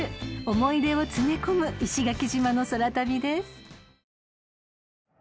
［思い出を詰め込む石垣島の空旅です］